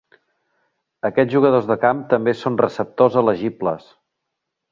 Aquests jugadors de camp també són receptors elegibles.